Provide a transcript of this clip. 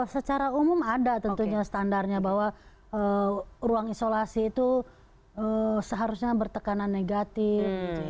secara umum ada tentunya standarnya bahwa ruang isolasi itu seharusnya bertekanan negatif